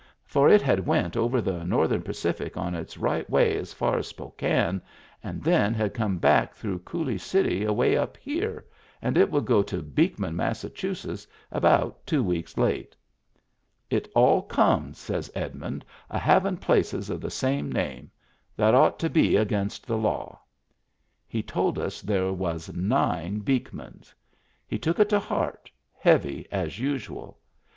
For it had went over the Northern Pacific on its right way as far as Spokane, and then had come back through Coulee City away up here, and it would get to Beekman, Massachusetts, about two weeks late. " It all comes," says Edmund, " of havin' places Digitized by Google WHERE IT WAS 239 of the same name. That ought to be against the law." He told us there was nine Beekmans. He took it to heart heavy, as usual.